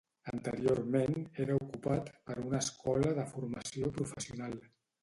Anteriorment, era ocupat per una escola de formació professional.